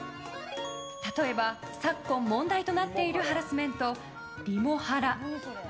例えば、昨今問題となっているハラスメントリモハラ。